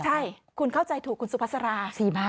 ใช่คุณเข้าใจถูกคุณสุภาษารา๔บาท